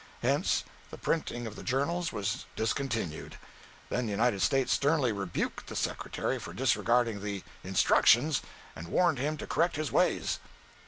Hence the printing of the journals was discontinued. Then the United States sternly rebuked the Secretary for disregarding the "instructions," and warned him to correct his ways.